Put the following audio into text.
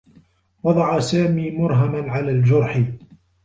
وضع سامي مرهما على الجرح.